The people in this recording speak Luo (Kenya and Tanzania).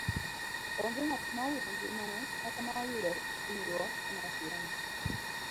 Onge ng'at ma owito ngimane kata ma oyudo inyruok e masirano.